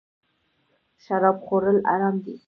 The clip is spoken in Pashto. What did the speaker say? شراب خوړل حرام دی